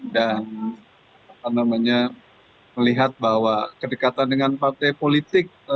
dan apa namanya melihat bahwa kedekatan dengan partai politik